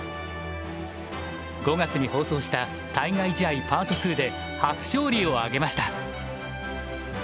５月に放送した「対外試合Ｐａｒｔ２」で初勝利を挙げました。